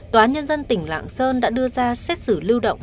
tòa án nhân dân tỉnh lạng sơn đã đưa ra xét xử lưu động